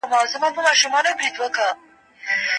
چي د دوی په ژوند کي یې ژور اغېز پرې ايښی دی.